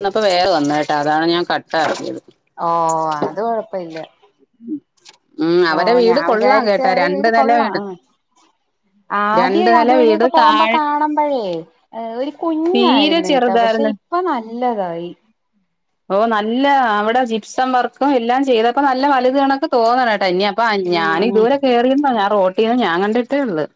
ഇന്നിപ്പം വേഗം വന്ന്ട്ടാ അതാണ് ഞാൻ കട്ട് [unintelligible] ഓ അത് കൊഴപ്പ ഇല്ല ഉം ഓ അവരെ വീട് ഞാൻ കൊള്ളാം വിചാരിച്ച് കേട്ടാ അവരെ രണ്ട് വീത് നില വീട് കൊള്ളാം ആദ്യ രണ്ട് നില വീട് അതുവഴിയൊക്കെ പോമ്പോ താഴെ കാണുമ്പഴേ ഒരു തീരെ കുഞ്ഞായിരുന്നു കേട്ടോ പക്ഷെ ചെറുതായിരുന്നു ഇപ്പ ല്ലതായി ഓ നല്ല അവിടെ ജിപ്സം വർക്കും എല്ലാം ചെയ്തപ്പോ നല്ല വലുത് കണക്ക് തോന്നാണ് തന്നെ അപ്പ ഉം ഞാന് ഉം ഇതുവരെ കയറി [inaudible] ഞാൻ റോ യ്യോ ഞാൻ കണ്ടിട്ടേ ഉള്ളൂ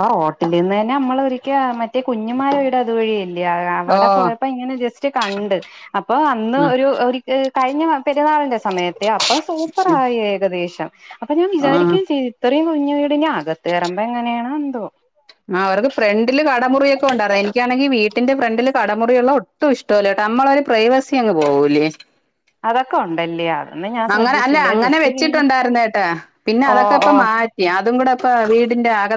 ആ ഹോട്ടലീന്ന് തന്നെ മ്മള് ഒരിക്ക ആ മറ്റേ കുഞ്ഞമ്മടെ വീട് അതുവഴിയായ് ഓ അവിടെ പോയപ്പോ ഇങ്ങനെ ജസ്റ്റ് കണ്ട് അപ്പോ അന്ന് ഉം ഒരു ഒരു കഴിഞ്ഞ വ പെരുന്നാളിന്റെ സമയത്തെ അപ്പൊ സൂപ്പർ ആയി ഏകദേശം അപ്പൊ ഞാൻ ആഹ് വിചാരിക്കേം ചെയ്ത് ഇ വീടിന്റ അകത്ത് കേറുമ്പോ എങ്ങനെയാണ് അന്തു ആ അവർക്ക് ഫ്രണ്ടില് കടമുറിയൊക്കെ ഒണ്ടാരു എനിക്കാണെങ്കി വീട്ടിന്റെ ഫ്രണ്ടില് കടമുറിയുള്ള ഒട്ടും ഇഷ്ട്ടല്ല നമ്മളൊരു പ്രൈവസി അങ്ങ് പോവൂലെ അതൊക്ക ഉണ്ടല്ല്യ അങ്ങനെ അല്ലെ അങ്ങനെ വെച്ചിട്ടുണ്ടായിരുന്നേട്ടാ പിന്നെ ഓ അതൊക്ക ഓ ഇപ്പം മാറ്റി അതും കൂടെ ഇപ്പ വീ ന്റെ അക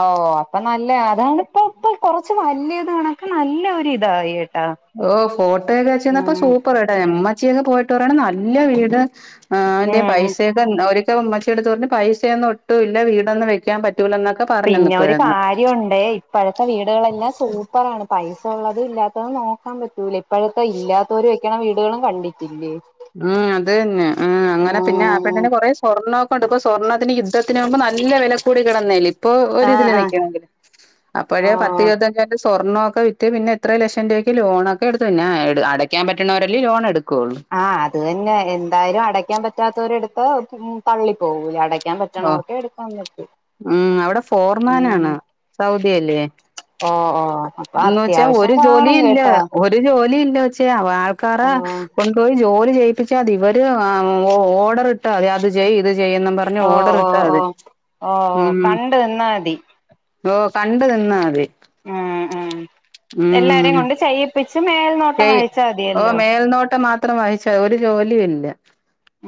ഓ അപ്പൊ നല്ല അതണിപ്പ ഇപ്പ കൊറ [unintelligible] വലിയ ഇത് കണൊക്ക്‌ നല്ല ഒരിതായി ഓ ഫോട്ടോയൊക്കെ വെച്ചന്നപ്പോ സൂപ്പറായിട്ട എമ്മ് [unintelligible] ഒന്ന് പോയിട്ട് പറയണം നല്ല വീട് ആന്റെ ഉം ഉം പൈസയൊക്കെ ഒരു ഉമ്മച്ചിട്ത്ത് പറഞ്ഞ് പൈസയൊന്നും ഒട്ടും ഇല്ല വീടൊന്നും വെക്കാൻ പറ്റു പിന്നെ ഒരു കാര്യഒണ്ടേ ഇപ്പോഴത്തെ വീ ളെല്ലാം സൂപ്പർ ആണ് പൈസ ഉള്ളതും ഇല്ലാത്തതും നോക്കാൻ പറ്റൂലി ഇപ്പോഴത്ത ഇല്ലാതൊരു ക്കണ വീടുകളും കണ്ടിട്ടില്ലേ ഉം അത് തന്നെ അങ്ങനെ പിന്നെ ആ ഉം പെണ്ണിന് കൊറെ സ്വർണ്ണ [unintelligible] സ്വർണത്തിന് യുദ്ധത്തിന് മുമ്പ് നല്ല വില കൂടി കിടന്ന അല്ലെ ഇപ്പൊ ആഹ് ഒരുരിതില് ആഹ് നിക്കണോങ്കില് അപ്പോഴേ പത്ത് ആഹ് ഇരുപത്തരണ്സൊ സ്വർണ്ണൊക്ക വിറ്റ് പിന്നെ എത്രയും ലക്ഷം രൂപയ്ക്ക് ലോണൊക്ക എടുത്ത് പിന്നെ അടക്കാൻ പറ്റുന്നവരല്ലേ ലോൺ എടുക്കൂ [inaudible] ത് തന്നെ എന്തായാലുംഅടുത് അടക്കാൻ പറ്റാത്തവരുടെഎടുത്ത് തള്ളി പോകൂല്ലേ അട എടുക്കാൻ ഓ പറ്റണോർക്കെ എടുക്കാൻ പറ്റു ഉം അവിടെ ഫോർമാനാണ് സൗ കേല്ല [unintelligible] ഓ ഓ അപ്പൊ എന്ന് വെച്ചാ അത്യാവശ്യം ഒരു ജോലി കാണും ഇല്ല കേട്ടാ ഒരു ജോലി ഇല്ല വെച്ചാ അവ ആൾക്കാരെ ആഹ് കൊണ്ടുപോയി ജോലി ചെയ്യ്പ്പിച്ചാ മതി ഇവര് ആ ഓ ഓഡറ്ട്ടാതി അത് ചെയ്യ് ഇത് ചെയ്യെന്നും പറഞ്ഞ് ഓ ഓർഡർ ഓ ഇട്ടാ ഓ മതി ഓ ഓ ഉം കണ്ട് നിന്നാ മതി ഓ കണ്ട് നിന്നാ മതി ഉം ഉം ഉം എല്ലാവരെയും കൊണ്ട് ചെയ്യിപ്പി ചെയ് ഓ മേൽനോട്ടം മാത്രം വഹിച്ച ഒര് ജോലിയുല്ല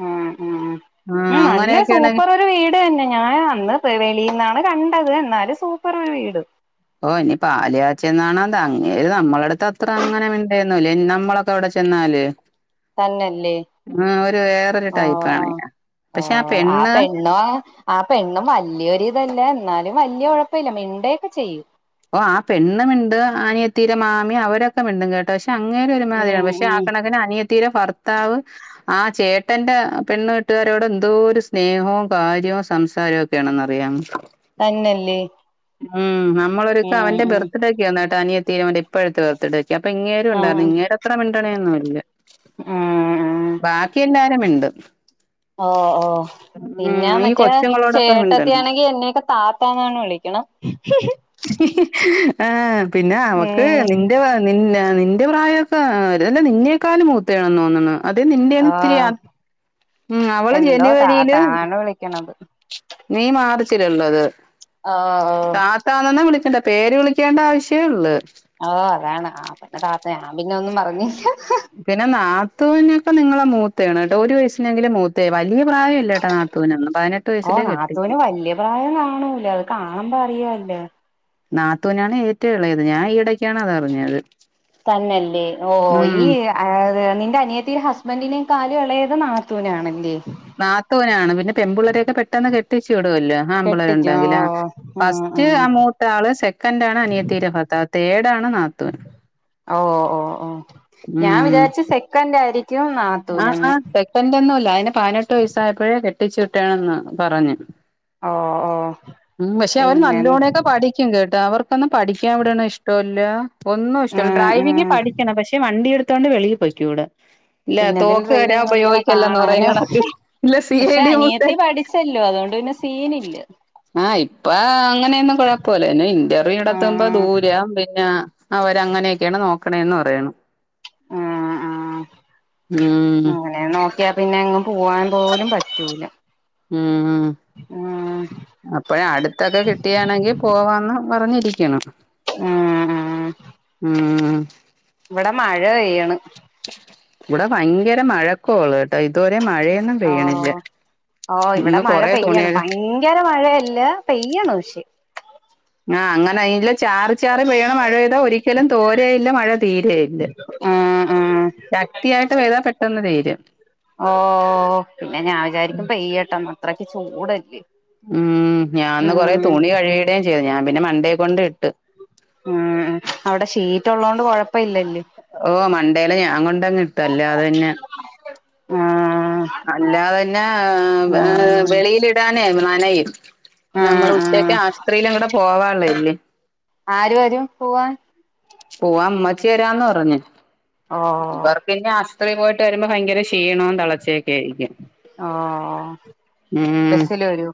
ഉം ഉം ഉം നല്ല അങ്ങനെയൊക്കെയാണെങ്കി സൂപ്പറാെര് വീട് തന്നെ ഞാൻ അന്ന് ത്രിവേലീന്നാണ് കണ്ടത് എന്നാലും സൂപ്പർ ഒര് വീട് ഓ ഇനി പാല്കാച്ച് എന്നാണോ എന്തോ അങ്ങേര് നമ്മടെ അടുത്ത് അത്ര അങ്ങനെ മിണ്ടെന്നുല്ല നമ്മളൊക്കെ അവിടെ ചെന്നാല് തന്നെല്ലേ ആഹ് ഒരു വേറൊരു ആ ആ ടൈപ്പാണ് ആ പക്ഷെ ആ പെണ്ണ് പെണ്ണും ആ പെണ്ണും വെല്യൊരിതല്ല എന്നാലും വലിയ കുഴപ്പമില്ല മിണ്ടുക്കെ ചെയ്യും ഓ ആ പെണ്ണ് മിണ്ട് അനിയത്തി മാമി അവരൊക്കെ മിണ്ടും കേട്ടോ ക അങ്ങേര് ഉം ഒരുമാതിരിയാണ് പക്ഷെ ആ ഉം കണക്കിന് അനിയ ത്തീടെ ഭർത്താവ് ആ ചേട്ടന്റെ പെണ്ണ് വീട്ടുകാരോട് എന്തോ ഒരു സ്നേഹവും കാര്യവും സംസാരവും ഒക്കെയാണെന്ന് അറിയോ തന്നല്ലേ ഉം നമ്മളൊരുസം ഉം അവന്റെ ഉം ബർത്ത്ഡേയ്ക്ക് ചെ നിയത്തി അവന്റെ ഇപ്പഴത്തെ ബർത്ത്ഡേക്ക് അപ്പം ഇങ്ങേരും ആ ഉണ്ടായിരുന്നു ഉം ഇങ്ങേരത്ര മി ട്ടണെന്നുല്ല ഉം ബാക്കി എന്നാ ക്കെ മിണ്ടും ഓ ഓ പിന്നെ ഉം ഈ മറ്റേ കൊച്ചുങ്ങളോടൊക്കെ ചേട്ടത്തി മിണ്ടണ്ട ആണെങ്കി എന്നെയൊക്കെ താത്താന്നാണ് വിളിക്ക്ണേ ആ പിന്നെ നമക്ക് ഉം നിന്റെ വ നി നിന്റെ പ്രായൊക്കെ ങ് അവര് അല്ല നിന്നേക്കാളും മൂത്തയാണെന്നു തോന്ന്ണ് അത് നിന്റേന്ന് ഇത്തിരി ആഹ് ഉം അവള് എന്തോ ജനുവരിയില് താത്താന്നാണ് വിളിക്കണത് നീ മാർച്ചില്ള്ളത് ഓ താത്താന്നൊന്നും വിളിക്കണ്ട പേര് വിളിക്കേണ്ട ആവശ്യള്ള് ആഹ് അതാണ് ആഹ് [unintelligible] ഞാൻ പിന്നെ ഒന്നും പറഞ്ഞില്ല പിന്നെ ന്നാ ത്തൂനൊക്കെ നിങ്ങളെ മൂത്തെണ് ഒരു വയസ്സിനെങ്കിലും മൂത്തേ വലിയ പ്രായല്ല ട്ടോ നാത്തൂനൊന്നും. പതിനെട്ട് ഓ വയസ്സിലേ കെട്ടിച്ചു നാത്തൂന് വല്യ പ്രായം കാണൂല അത് കാണുമ്പോ അറിയ. പിന്നെ നാത്തൂനാണ് ഏറ്റവും ഇളയത് ഞാൻ ഈ ഇടക്കാണ് അത് അറിഞ്ഞത് തന്നല്ലേ ഓ ഈഹ നിന്റെ അനിയത്തിൻ്റെ ഹസ്ബൻഡ്നേക്കാളും ഇളയത് നാത്തൂനാണല്ലേ നാത്തൂൻ ആണ് പിന്നെ പെൺപിള്ളേരൊക്കെ പെട്ടെന്ന് കെട്ടിച്ചു [unintelligible] ആൺപിള്ളേ കെട്ടിക്കും റുണ്ടെങ്കില ഓ ഉം ഫസ്റ്റ് ഉം ആ മൂത്ത ആള് സെക്കൻഡ് ആണ് അനിയത്തീര കാക്ക തേർഡ് ആണ് നാത്തൂൻ ഓ ഓ ഓ ഞാൻ ഉം വിചാരിച്ച് സെക്കൻഡ് ആയിരിക്കും ആഹ് ആ നാത്തൂനെന്ന് സെക്കൻഡ് ഒന്നുല്ല അതിന് പതിനെട്ട് വയസ്സായപ്പോഴേ കെട്ടിച്ചു വിട്ടണന്ന് പറഞ്ഞു ഓ ഓ ഉം പക്ഷെ അവര് പിന്നെ നല്ലോണൊക്കെ പഠിക്കും കേട്ടാ അവർ ഇപ്പൊന്നും പഠിക്കാൻ വിടുന്നത് ഇഷ്ടമല്ല ഒന്നും ഇഷ്ടമ ഉം ഡ്രൈവിങ് ഉം പഠിക്കണം പക്ഷേ വണ്ടി എടുത്ത് എടുത്തുകൊണ്ട് വെളിയിൽ പോയിക്കൂടെ ഇല്ല പിന്നെ ഇതിന് തോക്ക് തരാ ഡ്രൈവിങ് പഠിക്കണം ഉപയോഗിക്കല്ലെന്ന് പറയോ കാണാനും നിങ്ങളുടെ അച്ചൻ ഇല്ല സി പക്ഷെ ഡി അനിയത്തി പഠിച്ചല്ലോ അതുകൊണ്ട് പിന്നെ സീനില്ല ആഹ് ഇപ്പ അങ്ങനെയൊന്നും കുഴപ്പല്ല ഇന്റർവ്യൂ നടത്തുമ്പോ ആഹ് ദൂരം പിന്നെ ആ അവര് അങ്ങനെയൊക്കെയാണ് നോക്കണേന്ന് പറയണം ആഹ് ആഹ് ഉം അങ്ങനെ നോക്കിയാ പിന്നെ നിങ്ങൾക്ക് പോവാൻ പോലും പറ്റൂല ഉം ഉം അപ്പഴ അടുത്തൊക്കെ കിട്ടിയാണെങ്കിൽ പോവാന്ന് പറഞ്ഞി [unintelligible] ഉം ഉം ഉം ഉം ഇവിടെ മഴ പെയ്യാണ് ഇവിടെ ഭയങ്കര മഴക്കോള്ളു കേട്ടാ ഇതുവരെ മഴയൊന്നും ഓ പെയ്യണില്ല ഓ ഇവിടെ ഇന്ന് മഴ കൊറേ പെയ്യാണ് തുണികള് ഭയങ്കര മഴയല്ല പെയ്യാണ് പക്ഷെ ആ അങ്ങനെ അല്ല ചാറി ചാറി പെയ്യണ മഴ പെയ്താ ഒരിക്കലും തോരെയില്ല മഴ തീരെ ഇല്ല ഉം ഉം ശക്തിയായിട്ട് പെയ്ത പെട്ടെന്ന് തീരും ഓ പിന്നെ ഞാൻ വിചാരിക്കും പെയ്യട്ടോന്ന് അത്രയ്ക്ക് ചൂടല്ലേ ആ ഞാനിന്ന് കൊറെ ഉം തുണി കഴുകിടെയും ചെയ്ത് ഞാൻ പിന്നെ മണ്ടേ ക്കൊണ്ട് ഇട്ട് റ്റുള്ളത് കൊണ്ട് കുഴപ്പഇല്ലല്ല് ഓ മണ്ടേയില ഞാൻ കൊണ്ട് ട്ടങ്ങിട്ട് അല്ലാതെ പിന്നെ ആ അല്ലാന്നെ പിന്നെ ആഹ് വെളിയിലിടാൻ [unintelligible] നമ്മള് ആഹ് ഉച്ചക്ക് ആഹ് ആശുപത്രിയിലൊക്കെ പോവൻ ഉള്ളതല്ലേ ആര് വരും പോവാൻ പോവൻ ഉമ്മച്ചി വരാന്ന് പറഞ്ഞ് ഓഹ് ഇവർക്ക്‌ പിന്നെ ത്രി പോയിട്ട് വരുമ്പോ ഭയങ്കര ഷി ക്ഷിണോം തളച്ചൊക്കെയായിരിക്കും ഓഹ് ഉം ബസ്സില് വരോ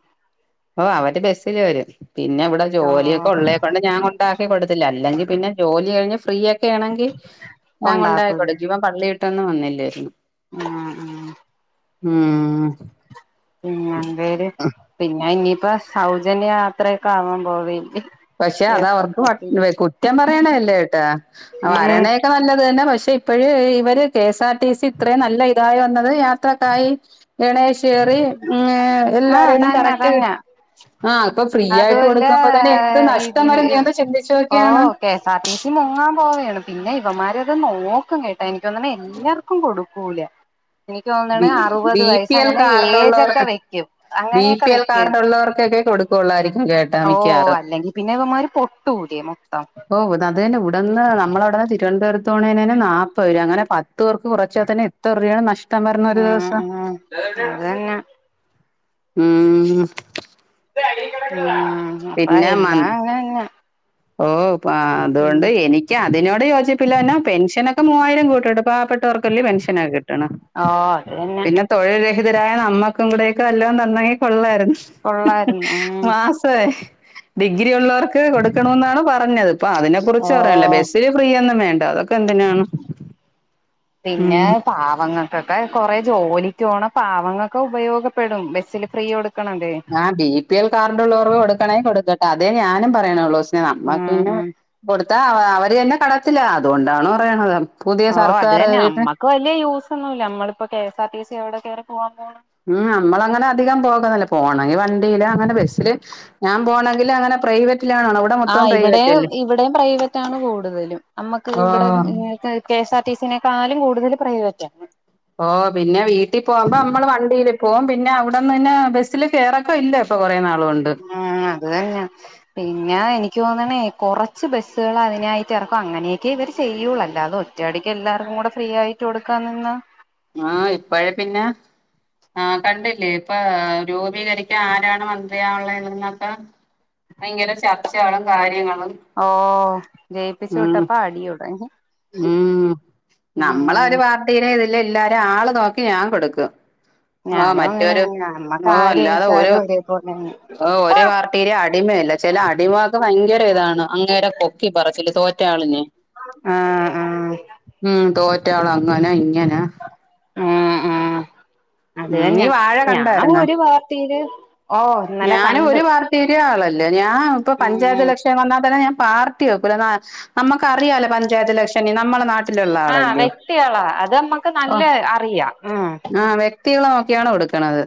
ഓ അവര് ബെസ്സില് വെരും പിന്നെ ഇവ്ടെ ജോലിയൊക്കെ ഓഹ് ഉള്ളെ കൊണ്ട് ഞാൻ കൊണ്ടാക്കി കൊട് ത്തില്ല അല്ലെങ്കി പിന്നെ ജോലിഴിഞ്ഞ് ഫ്രീയാ ഫ്രീയാണെങ്കി ഞാൻ കൊണ്ടാക്കൂല്ലേ കൊണ്ടാക്കികൊട്ക്കി ഇവൻ പള്ളി ട്ടെന്ന് വന്നില്ലെര്ന്നു ആ ആ ആ പിന്നെ എന്തേര് പിന്നെ ഇനി ഇപ്പ സൗജന്യ യാത്രക്കെ ആവാൻ പോവെല്ലേ പക്ഷെ അതവർക്ക് കുറ്റം പറയാനെ ല്ലേട്ടാ ഉം വരെണേക്കെ നല്ലത് തന്നെ പക്ഷെ എപ്പോഴേ ഇവര് K S R T C ഇത്രേ നല്ല ഇതായോണ്ട് അത് യാത്രക്കായി ഗണേഷേറി ആഹ് എല്ലാരെന്നും തന്നെ കറക്റ്റ് കി തന്നെ ആ ഇപ്പ ഫ്രീയായിട്ട് അതുമല്ല കൊടുക്കുമ്പോ തനെ K S R T C മുങ്ങാൻ പോവേണ് പിന്നെ ഇവന്മാരെയൊക്കെ നോക്കും കെ എനിക്കോന്ന്ണ് എല്ലാർക്കും കൊടു പോവ് ല B B P L card age ഒക്കെ ഉള്ളവർക്ക് വെക്കും ബി അങ്ങനെയൊക്കെ പി എൽ വെക്കും കാർഡ് ഉള്ളവർകേക്കെ കൊടുക്കുള്ളായിരിക്കും കേട്ടാ ഓ മിക്കാറും അല്ലെങ്കിൽ പിന്നെ ഇവമാര് പൊട്ടു [unintelligible] മൊത്തം ത് ന്നെ ഉടന്ന് നമ്മളവടന്ന് തിരുവനന്തപുരത്തോണെ നെന്നെ നാപ്പത്ത് രൂപ അങ്ങനെ പത്ത് പേർക്ക് കുറച്ചാത്തന്നെ എത്ര രൂപയാണ് നഷ്ടം വരുന്ന ഒരു ഉം ദിവസം ഉം അ തന്നെ ഉം ഉം അപ്പൊ പിന്നെ എല്ലാം മന്ത് അങ്ങനെന്നെ ഓ ഉം അതുകൊണ്ട് എനിക്ക് അതിനോട് യോജിപ്പില്ലന്നാ പെൻഷനൊക്കെ മൂവായിരം കൂട്ടിണ്ട് പാവപ്പെട്ടവർക്കയല്ല പെൻഷനൊക്കെ കിട്ടണം ഓ അത് തന്നെ പിന്നെ തൊഴിൽ രഹി ഹിതരായ നമ്മക്കും കൂടെയക്കെ വല്ലോം തന്നാ ങ്കി കൊള്ളായിര്ന്നു കൊള്ളായിരുന്നു ഉം ഡിഗ്രിരി ടി ഉള്ളവർക്ക് കൊടുക്കണമെന്നാണ് പറഞ്ഞത് ഇപ്പൊ അതിനെ കുറിച്ച് പറയല്ലേ ഓ ബസ്സില് ഫ്രീയന്നും വേ ണ്ട് അതൊക്കെന്തിനാണ് പിന്നെ പാവങ്ങ പിന്നെ കൊറെ ജോലിക്കോണ പാവങ്ങക്ക് ഉപയോഗപ്പെടും ബസ്സില് ഫ്രീ കൊട് ആഹ ബി പി എൽ കാർഡ് ഉള്ളവർവ് കൊടുക്കണെങ്കിൽ കൊടുക്കട്ടെ അതെ ഞാനും പറയണൊള്ളൂ ന്നെ നമ്മക്ക് ഉം പിന്നെ ഉം കൊടുത്ത അവ അവ ത് തന്നെ കടത്തില്ല അതുകൊണ്ടാണ് പറയണത് പുതിയ ഓ സർക്കാർ അതെന്നെ കേറിയിട്ട് അമ്മക്ക് വെല്ല്യ യൂസൊന്നുല്ല അമ്മളിപ്പോ കേ കെഎസ്ആർടിസി എവിടെ കയറി പോവാ ഉം നമ്മൾ അങ്ങനെ അധികം പോകുന്നില്ല പോണമെങ്കിൽ വണ്ടില്ല അങ്ങനെ ബസ്സിൽ ആ മൊത്തം ഇവിടെ പ്രൈവറ്റ് അല്ലേ ഇവിടെയും പ്രൈവറ്റണ് കൂടുതലും നമ്മുക്ക് ഓ ഇവിടെ കെഎസ് ആർ ടി സെക്കാണാലും കൂടു കൂടുതൽ പ്രൈവറ്റ ഓ പിന്നെ വീട്ടിൽ പോകുമ്പോ നമ്മൾ വണ്ടിയിൽ പോവും പിന്നെ അവ്ട്ന്ന്ന്നെ ബസ്സില് കയറൊക്കെ ഇല്ല ഇപ്പൊ കുറേ നാൾ ഉം അത് തന്നയ പിന്ന എനി ക്യോന്നണേ കുറച്ച് ബസ്സുകൾ അതിനായിട്ട് ഇറക്കും അങ്ങനെയൊക്കെ ഇവര് ചെയ്യൂള്ളു അല്ലാതെ അത് ഒറ്റയടിക്ക് എല്ലാവർക്കും കൂടെ ഫ്രീ ആയിട്ട് കൊടുക്കാൻ നിന്നാ ആ ഇപ്പോഴേ പിന്നെ ആ കണ്ടില്ലേ ഇപ്പൊ രൂപീകരിക്കാൻ ആരാണ് മന്ത്രിയാള്ളന്നൊക്കെ ഭയങ്കര ചർച്ചകളും കാര്യങ്ങളും ഓ ജയിപ്പിച്ചു ഉം വിട്ടപ്പ അടിയോടടി ഉം നമ്മളൊരു പാർട്ടീനെ ല്ല് എല്ലാരും ആള് നോക്കി ഞാൻ കൊടുക്കും. ആഹ ഞാനും മറ്റൊരു അങ്ങനെന്നെ നമ്മക്ക് ഓ ആര് അല്ലാതെ ഒരു ജയിച്ചാലും ഒരേ പോലെന്നെ ഒരു പാർട്ടിയില അടിമയില്ല ചില അടിമക്കെ ഭയങ്കര ഇതാണ് അങ്ങേരെ പൊക്കി പറച്ചില് തോറ്റ ആളിനെ ആഹ് ആഹ് ഉം തോറ്റാള ങ്ങനെ ഇങ്ങനെ ഉ ഉ അത് ഉം നീ തന്നെ വാഴ ഞാൻ ഒരു പാർട്ടീല് ഞാനൊരു പാർട്ടീടെ ആളല്ല ല്ല ഞാ ഇപ്പൊ ഉം പഞ്ചായത്ത്ലക്ഷൻ വന്നാ തന്നെ ഞാൻ പാർട്ടിനോക്കൂല നമുക്കറിയാലൊ പഞ്ചായത്തിലക്ഷ ആ വ്യക്തികളാ അത് നമ്മക്ക് ഓ നല്ല അറിയാം ഉം ആഹ് വ്യക്തികളെ നോക്കിയാണ് കൊടുക്ക്ണത്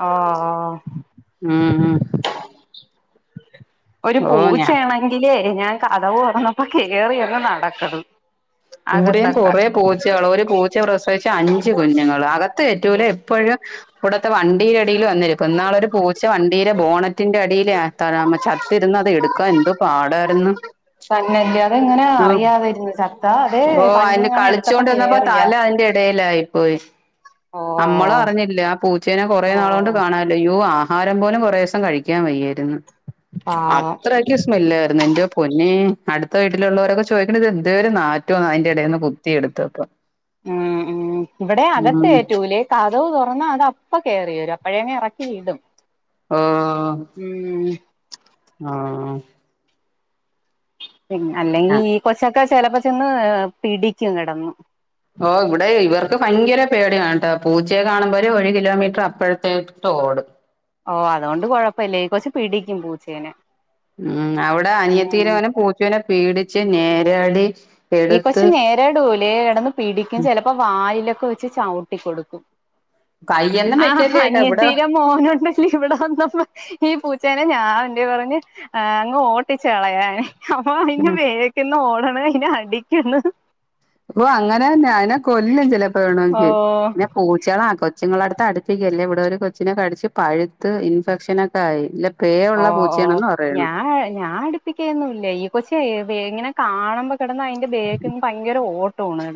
ആ ആ മ് മ് ഒരു പൂച്ചയാണെങ്കിലേ ഞാൻ കതക് തൊർന്നപ്പോ കേറിയങ്ങ് നടക്കണ് കൂടെ അകത്തൊക്കെ കൊറെ പൂച്ചകൾ ഒരു പൂച്ച പ്രസവിച്ച അഞ്ചു കുഞ്ഞുങ്ങൾ അകത്ത് കേറ്റൂല എപ്പഴും ഇവടെ വണ്ടിയിലടിയിൽ വന്നിരിക്കും ഇന്നാൾ ഒരുപൂച്ച പൂച്ച വണ്ടിയുടെ ബോണറ്റിന്റെ അടിയില് ചത്തിരുന്ന് അത് എടുക്കാൻ എന്ത്‌ പാടായിരുന്നു തന്നല്ല്യ അതെങ്ങനെ ആഹ് അറിയാതിരുന്നു ചത്താ ഓ അയിന് കളിച്ചോണ്ടിന്നപ്പോ തല അതിന്റെ ഇടയിലായിപ്പോയി ഓ നമ്മളു അറിഞ്ഞില്ലേ ആ പൂച്ചേനെ കൊറെ നാള്കൊണ്ട് ഓ കാണാല്ല യോ ആഹാരം പോലും കേറെ ദിവസം കഴിക്കാൻ വയ്യായിരുന്ന്‌ പാവം അത്രക്കെ സ്മെല്ല് എന്റെ പൊന്നേ അടുത്ത വീട്ടിലുള്ളോരൊക്കെ ചോദിക്കണത് എന്തോര് നാ റ്റാവാ അയ്ന്റെ എടേന്ന് കുത്തിയെട്ത്തപ്പം മ് മ് വിടേം അകത്തേറ്റൂല കതക് തുറന്നാ അത് അപ്പ കേറിവരും പ്പഴങ് ഇറക്കി വിടും ഓ ഉം ആ അല്ലെങ്കിൽ ഈ കൊച്ച ക്ക ചെലപ്പോ ചെന്ന് പിടിക്കും കെടന്നു ഓ ഇവിടെ ഇവർക്ക് ഭയങ്കര പേടിയാണ് ട്ടോ പൂച്ചയെ കാണുമ്പോ ഒരു കിലോമീറ്റർ അപ്പറത്തോട്ടോ ടും ഓ അതോണ്ട് കൊഴപ്പല്ല ഈ കൊച്ച് പിടിക്കും പൂച്ചേനെ മ് അവിടെ ഉം അനിയത്തീടവനെ പൂച്ചേനെ പിടി [unintelligible] ഈ കൊച്ച് നേരടൂലെ കെടന്ന് പിടിക്കും ചെലപ്പോ വായിലൊ ക്കെ വെച്ച് ചവിട്ടി കൊടുക്കും കയ്യൊന്നും ആ വെക്കല്ലേട്ടോ ഇവിടെ അനിയത്തീടെ മോനോണ്ടല്ലെ ഇവിടെ വന്നപ്പോ ഈ പൂച്ചേനെ ഞാൻ [unintelligible] പറഞ്ഞ് ആങ്ങ് ഓട്ടിച്ച് കളയാന് അപ്പൊ മിനു ഉം വെക്ക്ന്ന് ഓട [unintelligible] നിക്ക്ന്ന് ഓ അങ്ങനെനെ അയിനെ കൊല്ലും ചിലപ്പോ വെണെങ്കിൽ ഓഹ് പിന്നെ പൂച്ചളെ ആക്കോ കൊച്ചുകളെ അടുത്ത്അടുപ്പിക്കലെ ഇവിടെ ഒരു കൊച്ചിനെ കടിച്ച് പഴുത്ത് ഇൻഫെക്ഷനൊക്കെ ആയി പേ ഓ ഉള്ള ഓ പൂച്ചയാണെന്ന് പറയണ് ഞാ ഞാൻ അടുപ്പിക്കൊയോന്നുല്ല ഈ കൊച്ചെ [unintelligible] എങ്ങനെ കാണുമ്പോ കിടന്ന് അയിന്റെ ബേക്ക്ന്ന് ഭയങ്കര ഓ തോന്ന്ആണ്